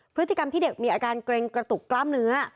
พฤติกรรมที่เด็กมีอาการเกร็งกระตุกกล้ามเนื้อ